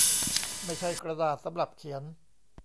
ไม่ใช่กระดาษสำหรับเขียน